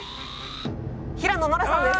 平野ノラさんです。